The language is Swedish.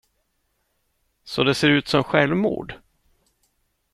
Så det ser ut som självmord.